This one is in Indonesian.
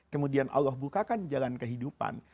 kemudian allah bukakan jalan kehidupan